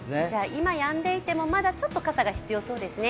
今やんでいても、まだちょっと傘は必要そうですね。